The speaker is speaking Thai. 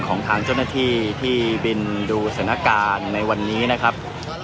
การประตูกรมทหารที่สิบเอ็ดเป็นภาพสดขนาดนี้นะครับ